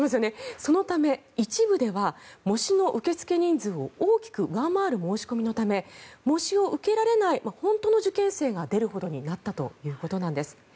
そのため一部では模試の受付人数を大きく上回る人数のため模試を受けられない本当の受験生が出るほどになったということなんです。